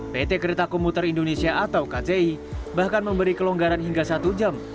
pt kereta komuter indonesia atau kci bahkan memberi kelonggaran hingga satu jam